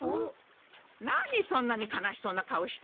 何そんなに悲しそうな顔してるの？